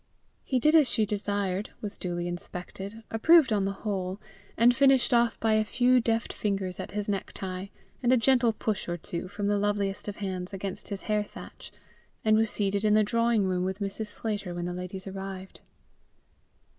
He did as she desired, was duly inspected, approved on the whole, and finished off by a few deft fingers at his necktie, and a gentle push or two from the loveliest of hands against his hair thatch, and was seated in the drawing room with Mrs. Sclater when the ladies arrived.